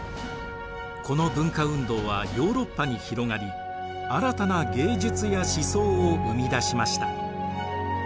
この文化運動はヨーロッパに広がり新たな芸術や思想を生み出しました。